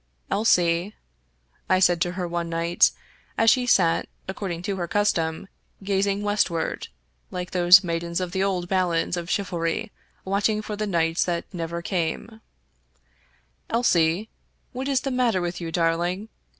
" Elsie/' I said to her one night, as she sat, according to her custom, gazing westward, like those maidens of the old ballads of chivalry watching for the knights that never came — "Elsie, what is the matter with you, darling?